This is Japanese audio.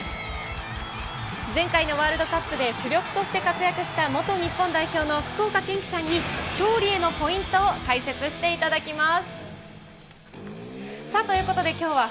前回のワールドカップで主力として活躍した元日本代表の福岡堅樹さんに勝利へのポイントを解説していただきます。